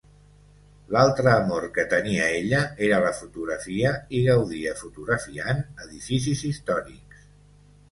L'altre amor que tenia ella era la fotografia i gaudia fotografiant edificis històrics.